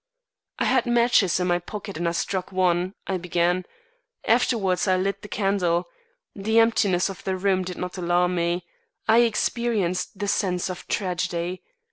"I had matches in my pocket and I struck one," I began. "Afterwards I lit the candle. The emptiness of the room did not alarm me. I experienced the sense of tragedy.